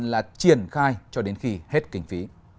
là triển khai cho đến khi hết kinh phí